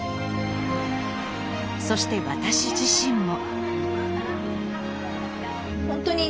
そして私自身も。